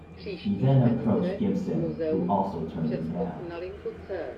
He then approached Gibson, who also turned him down.